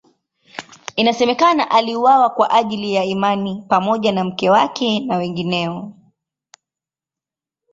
Inasemekana aliuawa kwa ajili ya imani pamoja na mke wake na wengineo.